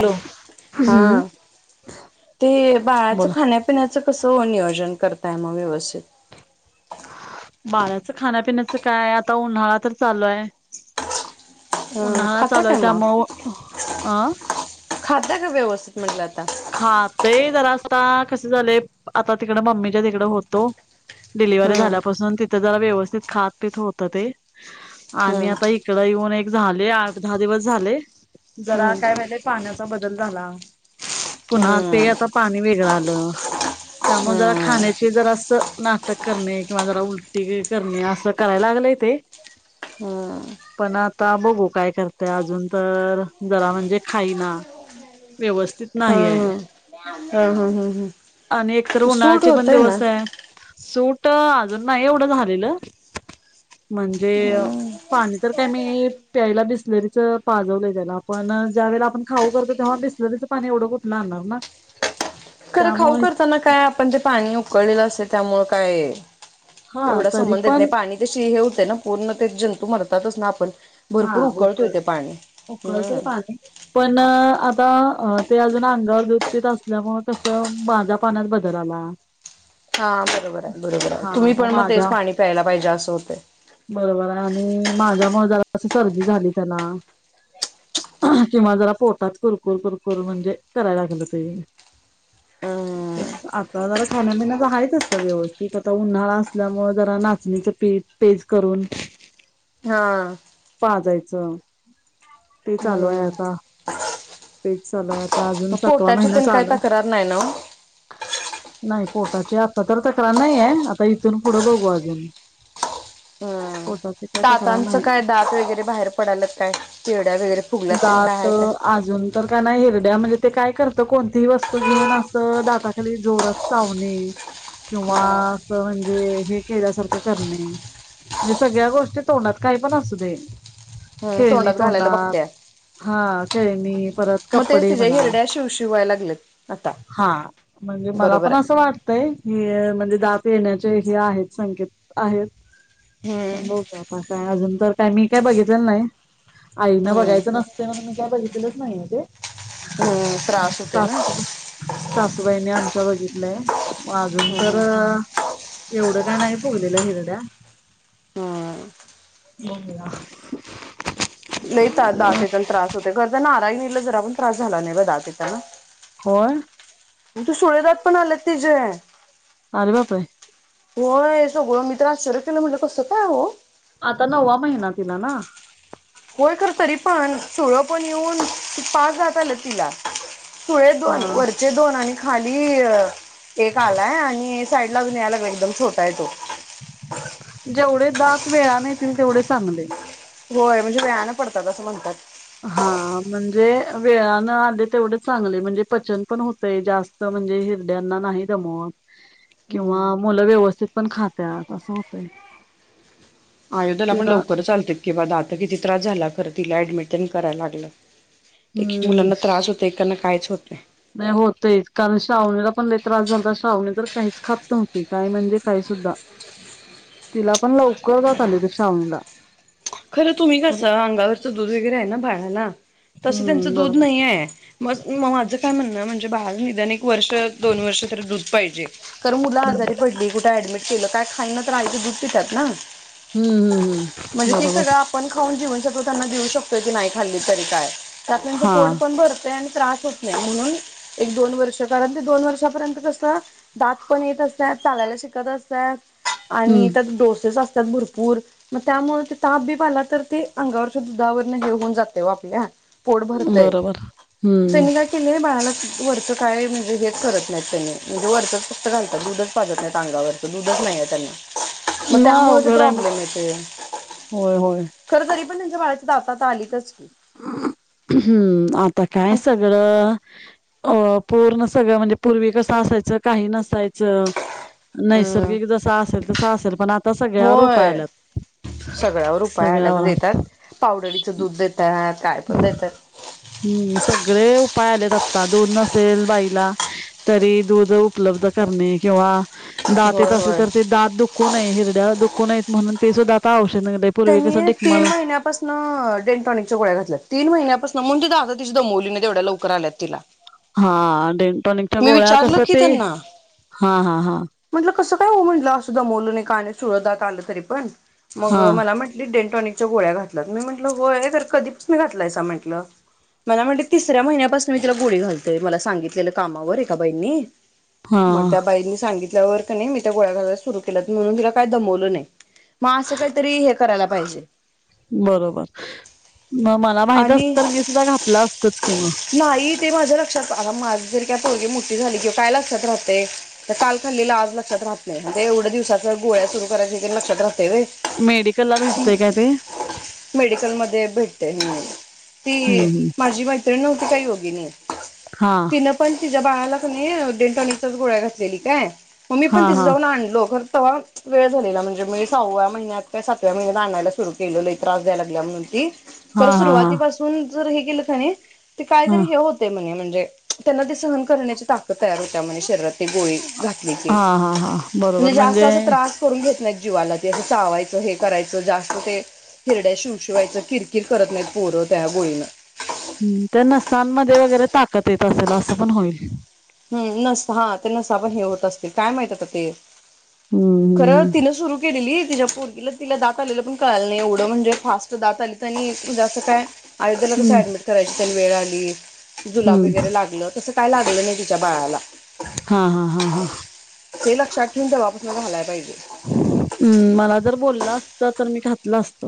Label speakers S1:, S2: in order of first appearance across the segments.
S1: Hello
S2: हम्म.
S1: हा ते बाळाच
S2: बोला
S1: खाण्या पण याच कस नियोजन करताय मग व्यवस्थित
S2: बाळााचं खाण्यापिण्याचं काय आता उन्हाळा तर चालू आहे
S1: अ
S2: उन्हाळा
S1: खाता
S2: चालय
S1: काय
S2: त्यामु अं
S1: खाद्या काय व्यवस्थित म्हटलं आता
S2: खातय जरा असता कसे झाले आता तिकड मम्मीच्या तिकडं होतो डिलिव्हरी
S1: हम्म
S2: झाल्यापासून तिथ जरा व्यवस्थित खातपी होत ते आणि
S1: हम्म
S2: आता एक तड येऊन एक झाले आठ दहा दिवस झाले जरा
S1: हम्म
S2: काय म्हहिले पाण्याचा बदल झाला पुन्हा
S1: हम्म
S2: ते आता पाणी वेगळं आलं त्यामुळे जरा
S1: हम्म
S2: खाण्याची जर असं नाटक करणे किंवा जरा उलटी करणे असं करायला लागलंय ते
S1: हम
S2: पण आता बघू काय करतेय अजून तर जरा म्हणजे खाईना व्यवस्थित नाहीय
S1: हम्म हम्म हम्म हम्म
S2: आणि एकतर
S1: सूट
S2: उन्हाळ्याचे पण
S1: होतय ना
S2: दिवस आहे सूट अजून नाही एवढं झालेलं म्हणजे पाणी तर काय मी प्यायला बिसलेरीच पाजवलं त्याला आपण ज्या वेळेला आपण खाऊ करतो तेव्हा बिस चं पाणी एवढं कुठलं आणणार ना
S1: खरं खाऊ
S2: त्यामुळे
S1: करताना काय आपण जे पाणी उकळलेलं असल त्यामुळेळ काय
S2: हा
S1: एवढा
S2: तरी
S1: संबंध येत
S2: पण
S1: नाही पाणी तशी हे होते ना पूर्ण ते जंतू मरतातच ना आपण
S2: हा
S1: भरपूर उकळतो य
S2: उकळ
S1: ते पाणी ह
S2: [inaudible] पण आता ते अजून अंगावर दुपपीत असल्यामुळे कसं भाझ्या पाण्यात बदल आला
S1: हा बरोबर आहे बरोबर आहे
S2: हा
S1: तुम्ही पण मग तेच
S2: माझ्या
S1: पाणी प्यायला पाहिजे असं होते
S2: बरोबर आहे आणि माझ्या मजाला सर्दी झाली त्याला किंवा जरा पोटात कुरकुर कुरकुर म्हणजे करायला लागलं ते
S1: ह
S2: आता जरा खाण्यापिण्याचं आहेच असतं व्यवस्थित आता उन्हाळा असल्यामुळे जरा नाचणीचं पीठ पेज करून
S1: हा
S2: पा जायचं ते चालूय
S1: हम्म
S2: आता तेच चालूय आ अजून
S1: मग
S2: सातवा
S1: पोटाची
S2: महिना
S1: तेन काय
S2: चालय
S1: तक्रार नाही ना
S2: नाही पोटाची आता तर तक्रार नाहीये आता इथून पुढे बघू अजून
S1: हम्
S2: पोटाची काय तक्रार
S1: दातांचं
S2: नाही
S1: काय दात वगैरे बाहेर पडाल काय चिरड्या वगैरे फुगल्यात तेन काय
S2: दात
S1: हाय काय?
S2: अजून तर का नाही हिरड्या म्हणजे ते काय करतं कोणतीही वस्तू घेऊन असं दाताखाली जोरात सावणे किंवा अस म्हणजे हे केल्यासारखं करणे म्हणजे सगळ्या गोष्टी तोंडात काही पण असू दे
S1: हम्म
S2: खेळणी
S1: तोंडात घालायला
S2: तोंडात
S1: बघत्या
S2: हा क मी परत
S1: मग तेच
S2: कपडे
S1: तिच्या
S2: म्हणा
S1: हिरड्या शिवशिव व्हायला लागल्यात आता.
S2: हा म्हणजे मला
S1: बरोबर
S2: पण
S1: आहे
S2: असं वाटत हे म्हणजे दात येण्याचे हे आहेत संकेत आहेत पण
S1: हम्म
S2: ब का आता काय अजून तर काय मी काय बघितलेलं नाही आईन
S1: हम्म
S2: बघायचं नसते ना मी काय बघितलेलंच नाही ते
S1: हम्म त्रास होतोय ना
S2: सासूबा सासूबाईने आमच्या बघितलंय अजून तर एवढं काय नाही फगलेल्या हिरड्या
S1: हम्म
S2: येम का
S1: नाहीेतात दातचा त्रास होते घरज नाराही न जरा पण त्रास झाला नाही ब दातचा ना
S2: हो
S1: म्हण त सुळेदात पण आलेत ति जे
S2: आर वापे
S1: होो ग मित्र आ शरू केलो म्हट लको सकाय आहे हो
S2: आता नववा महिना तिला ना
S1: होय कर तरी पण सोळं पण येऊन पाच जात आलं तिला सुळे दोन
S2: हा
S1: वरचे दोन आणि खाली एक आलाय आणि साईड लाून यालाग एकदम ोटा आहे तो
S2: जेवढे दच वेळा न येतील तेवढे चांगले
S1: होय म्हणजे वेयानं पडतात असं म्हणतात
S2: हा म्हणजे वेळानं आले तेवढे चांगले म्हणजे पचन पण होतय जास्त म्हणजे हिरड्यांना नाही दमवत किंवा
S1: हम्म
S2: मुलं व्यवस्थित पण खातात असं होतंय
S1: आयुध्याला पण
S2: तिला
S1: लवकरच चालत की ब आता किती त्रास झाला खरं तिला ऍडमिट करायला लागलं एक एक
S2: हम्म
S1: मुलांना त्रास होत एकाना कायच होत
S2: नाही होतच कारण श्रावणीला पण त्रास झाला तर श्रावणी तर काहीच खात नव्हते काय म्हणजे काही सुद्धा
S1: ह्
S2: तिला पण लवकर जात आले तर ावणीला
S1: खरं तुम्ही कसं अंगावरचं दूध वगैरे आहे ना भाड्याना तसं
S2: हम्म
S1: त्यांचं दूध
S2: बरोबर
S1: नाही आहे मग मग माझं काय म्हणणं म्हणजे बाहेर निदाानने वर्ष दोन वर्ष तरी दूध पाहिजे कारण मुला आजारी पडली कुठ ऍडमि केलं काय खायन तर आईच दुपितात ना
S2: हम्म हम्म हम्म बरोबर
S1: ख ज शतो नाही खाल्ली का त्याण
S2: हा
S1: भ आणि त्रास होत नाही म्हणून एक दोन वर्ष कारण ते दोन वर्षापर्यंत कस दात पण येत असतात चागयला शिकत असतात आणि
S2: हम्म
S1: त्यात डोसेस असतात भरपूर मग त्यामुळे ताप बी पाला तर ते अंगावरच्या दुधावरून हेऊन जाते व आपल्या पोट भरतय
S2: बरोबर हम्म
S1: तेघा के नाही बाळाला वरचं काय म्हणजे हेच करत नाहीत त्यांनी म्हणजे वरचंच फक्त घालतात दूधच पाजत नाहीत अंगावर नूडल्स नाही आहे त्यांनी मग त्यामुळे ते
S2: अवघड आहे मग
S1: प्रॉब्लेम येत
S2: होय होय
S1: खर तरी पण त्यांच्या बाळाच्या दातात आलीतच की.
S2: हम्म आता काय सगळं अ पूर्ण सगळं म्हणजे पूर्वी कसं असायचं काही नसायचं
S1: हम्म
S2: नैसर्गिक जसा असेल तसं असेल पण आ
S1: होय सगळ्यावर उपाय आल्या तर
S2: सगळ्यावर
S1: देतात पावडरीचं दूध देतात काय पण देतात
S2: हम्म सगळे उपाय आलेत आत्ता दोन नसेल बाईला तरी दूध उपलब्ध करणे किंवा दात येत
S1: होय
S2: असले
S1: होय.
S2: तर ते दात दुःखो नाही हिरड्या दुःखो नाहीत म्हणून ते सुद्धा तवश निगडे पूर्वी
S1: त्यांनी
S2: कसं
S1: तीन
S2: डिकमलला
S1: महिन्यापासून डेंटॉनिकच्या गोळ्या घातल्या ती महिन्यापासून मग तिथा आता तिशी दमवली नाही तेवढ्या लवकर आल्यात तिला
S2: हा डडेटॉनिकच्या
S1: मी
S2: गोळ्या कस
S1: विचारलं की
S2: ते
S1: त्यांना
S2: हा हा हा
S1: म्हटलं कसं काय हो म्हटलं सुद्धा मोोल नाही काने सुळदात आलं तरी पण मग
S2: हा
S1: मला म्हटली डेंटॉनिकच्या गोळ्या घातल्यात मी म्हटलं होयर कधीच मी घातलायसा म्हटलं मला म्हणते तिसऱ्या महिन्यापून मी तिला गोळी घालतय मला सांगितलेलं कावर एका बईनी
S2: हा
S1: मग त्या बाईंनी सांगित नाही मी त्या गोळ्या घायला सुर के म्हणून तिला काय दमवलं नाही मग असं काहीतरी हे करायला पाहिजे
S2: बरोबर म मला माहित अस
S1: आणि
S2: तर मी सुद्धा घातलं असतच किंवा
S1: नाही ते माझ्या लक्षात आता माझ जर काय पोळगी मोठी झाली किंवा काय लक्षात राहते तर काल खल्लेलं आज लक्षात राहत नाही म्हणजे एवढ्या दिवसाच्या गोळ्या सुरू करायची लक्षात राहते वे
S2: मेडिकल ला भेटतय का ते
S1: मेडिकल म भेटते ती
S2: हम्म हम्म
S1: माझी माहिती तिनती काही होग नाही
S2: हा
S1: तिनं पण तिच्या बालाच नाही डेंटॉनीचाच गोळ्या घातलेली काय मग् मी
S2: हा
S1: पण तिथं
S2: हा
S1: जाऊन आणलो ख तर वेळ झालेला म्हणजे मी सहाव्या महिन्यात का सातव्या महिन्यात आणायला सुरु केले आहे त्रास द्याला लागल्या म्हणून ती
S2: हा
S1: तर
S2: हा हा
S1: सुरुवातीपासून जर हे केलं ख ते काय
S2: हा
S1: तरी हे होत म्हणे म्हणजे त्यांना ते सहन करण्याची ताक तयार होत म्ह शरीरात गोळे घातलेचे
S2: हा हा हा
S1: म्हणजे
S2: बरोबर
S1: जास्त अस
S2: म्हणजे
S1: त्रास [inaudible] नाही जीवाला चावायच हे करायचं जास्त ते हिरड्या शिव शिवायच कि कती करत नाहीत पोरं त्या गोळीनं
S2: हम् त्या नसांमध्ये वगैरे ताकत येत असेल असं पण होईल
S1: हम् नस हा ते नसा पण हे होत असतील काय माहित ते
S2: हम्म
S1: खरं
S2: हम्म
S1: तिनं सुरू केलेली तिच्या पोरगला तिला दात आलेलं पण कळालं नाही एवढं म्हणजे फास्ट दात आली त्यांनी जसं काय अयोधध्येला कस
S2: हम्म.
S1: ऍडमिट करायची त्यांनी वेळ आली जुलाब
S2: हम्म हम्म
S1: वगैरे लागलं तस काय लागलं नाही बाळाला
S2: हा हा हा हा
S1: ते लक्षात ठेऊन द बापसला घालाय पाहिजे
S2: हम्म मला जर बोललं असत तर मी घातलं असत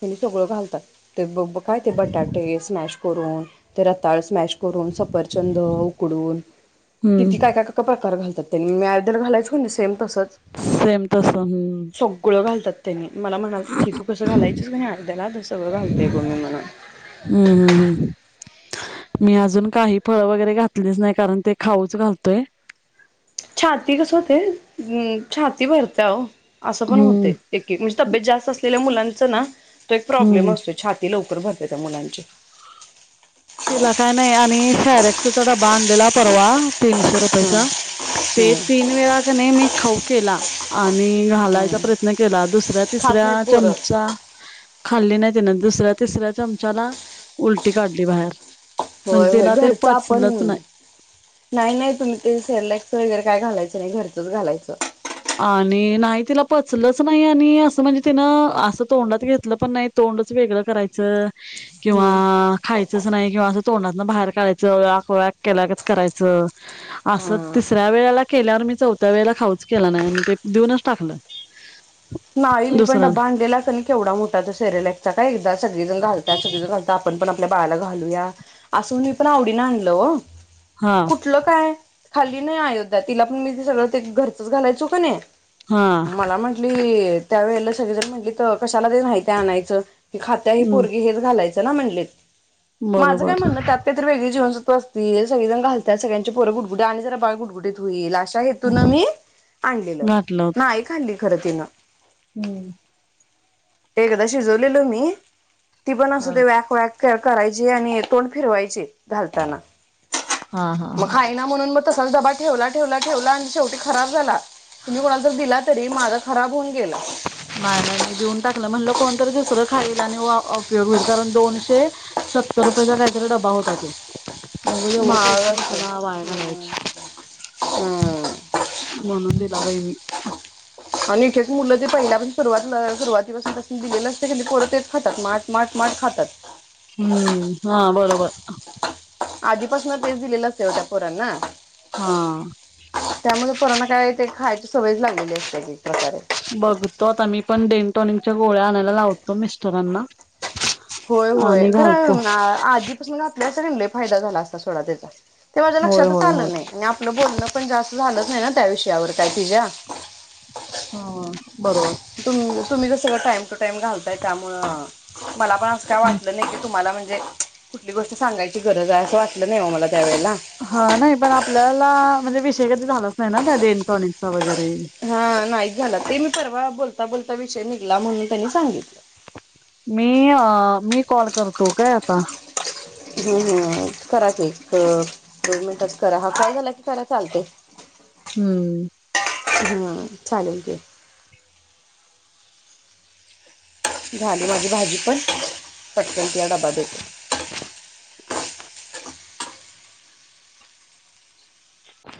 S1: त्यांनी सगळं घातात ते काय ते बटाटे स्मॅश करून ते रताळ स्मॅश करून सफरचंद उकडून
S2: हम्म
S1: किती काय काय प्रकार घालतात त्यां मी आदल घालायचं सेम तसंच
S2: सेम तस हम्म. हम्म
S1: सगळं घालतात त्यांनी मला म्हणात की तू कसं घालायच अर्द्याला दसळं घालतेय कोु म म्हण
S2: हम् हम् हम् मी अजून काही फळ वगैरे घातलीच नाही कारण ते खाऊच घालतोय
S1: छाती कस होते छाती भरते हो असं पण
S2: हम्म
S1: होते एककी म्हणजे तब्येत जास्त असलेल्या मुलांचा ना तो एक प्रॉब्लेम
S2: हम्म.
S1: असतो छाती लवकर भरते त्या मुलांची
S2: तिला काय नाही आणि फॅरेक्सढ डबा आणलेला परवा तीनशे
S1: हम्म
S2: रुपयाेचा ते
S1: हम्म
S2: तीन वेळा क नाही मी खाऊ केला आणि घालायचा
S1: हम्म
S2: प्रयत्न केला दुसऱ्या
S1: खात नाहीत
S2: तिसऱ्या
S1: पोरं
S2: चमचा खाल्ली नाही तिने दुसऱ्या तिसऱ्या चमचाला उलटी काढली बाहेर म्हणजे
S1: होय होय
S2: तिला ते
S1: घरचा आपण
S2: पचलंच नाही
S1: नाही नाही तुम्ही ते सेरलक्स वगैरे काय घालायचं नाही घरचंच घालायचं.
S2: आणि नाही तिला पचलच नाही आणि असं म्हणजे तिनं असं तोंडात घेतलं पण नाही. तोंडच वेगळं करायचं किंवा खायचंच नाही किंवा असं तोंडातन बाहेर काढायचं आकग केल्यात करायचं. असं तिसऱ्या वेळेला केल्यावर मी चौथ्या वेळेला खाऊच केला नाही आणि ते देऊनच टाकलं.
S1: नाही मी पण
S2: दुसऱ्याना
S1: डबा आणलेला केवढा मोठा त्या सेरेलेक्स सगळेजण घालतात सगळेजण घालतात. आपण पण आपल्या बाळाला घालूया असून मी पण आवडीन आणल हो
S2: हा
S1: कुठलं काय खाली नाही अयोध्या तिला पण मी ते सगळं ते घरच घालायचो का नाही.
S2: हा
S1: मला म्हंटली त्यावेेळेला सगळीजण म्हटली तर कशाला दे नाही ते आणायचं. खात्या ह
S2: हम्म
S1: पोरगी हेच घालायचं ना म्हणले माझं काय
S2: बरोबर
S1: म्हणणं त्यात काहीतरी वेगळी जीवनसत्व असते सगळेण घालात सगळ्यां पोर गुटगुट्या आणि जरा बाळ गुटगुट ईल अशा हेतून मी आणलेलं
S2: घातलं होत.
S1: नाहीक आणली खरं तिनं
S2: हम्म
S1: एकदा शिजवलेलो मी ती पण अस ते
S2: हा.
S1: व्यक् व्यक् करायची आणि तोंड फिरवायचे घालताना
S2: हा हा
S1: मग
S2: हा
S1: खाय ना म्हणून म तसा बा ठेवला ठेवला ठेवला आणि शेवी खराब झाला तुम्हीणाला ज दिला तरी मा खराब होऊन गेला
S2: माझा मी देऊन टाकलं म्हणलं कोणत दुसरं खालील आणि उपयोग होईल कारण दोनशे सत्तर रुपयाेचा काहीतरी डबा होता तो उगाच एवढा
S1: महाग
S2: पैसे
S1: असतोय
S2: देऊन वाया घालवायचे.
S1: हम्म
S2: म्हणून दिला बाई मी
S1: आणि इथेच मुलं ते पहिल्यापासून सुरवात सुरुवातीपासून दिलेलं असतेत तेच खातात मा माट, माट खातात.
S2: हम्म हा बरोबर
S1: आधीपासन तेच दिलेलं असतय, ओ त्या पोरांना
S2: हा आ.
S1: त्यामुळे पोरांना काय ते खायची सवयच लागलेली असतिया की एक प्रकारे?
S2: बघतो आता मी पण डेंटॉनिकच्या गोळ्या आणायला लावतो मिस्टरांना
S1: होय होय
S2: आणि घालतो
S1: खरं आधीपासून घातल्या असत्या कणी लय फायदा झाला असता, सोडा त्याचा ते माझ्या
S2: होय
S1: लक्षातच
S2: होय होय
S1: आलं नाही. आपलं बोलणं पण जास्त झालंच नाही, ना त्या विषयावर काय तीज्या?
S2: हा बरोबर
S1: तु तुम्ही कसं सगळं टाइम टू टाइम घालताय त्यामुळ मला पण असं काय वाटलं? नाही की तुम्हाला म्हणजे कुठली गोष्ट सांगायची गरज हाय, असं वाटलं नाही ओ मला त्यावेळेला
S2: हा नाही पण आपल्याला म्हणजे विषय कधी झालाच नाही ना, त्या डेन टॉनिक चा वगैरे
S1: हा नाही झालं, ते मी परवा बोलता बोलता विषय निघला म्हणून त्यांनी सांगितलं
S2: मी अ मी कॉल करतो काय आता?
S1: हू हू करा की, एक दोन मिनिटात करा, हा कॉल झाला की करा चालतय.
S2: हम्म.
S1: हम्म चालेल की, झाली माझी भाजी पण पटकन तिला डबा देते.